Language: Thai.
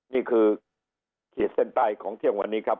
นี่คือขีดเส้นใต้ของเที่ยงวันนี้ครับ